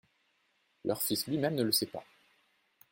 Leur fils lui-même ne le sait pas.